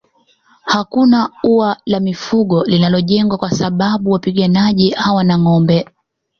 Hakuna ua la mifugo linalojengwa kwa sababu wapiganaji hawana ngombe